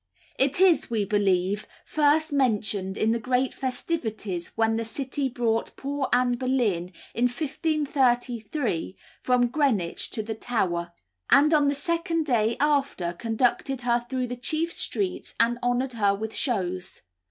It is, we believe, first mentioned in the great festivities when the City brought poor Anne Boleyn, in 1533, from Greenwich to the Tower, and on the second day after conducted her through the chief streets and honoured her with shows.